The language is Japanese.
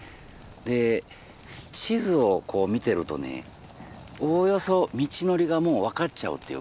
で地図を見てるとねおおよそ道のりがもう分かっちゃうっていうか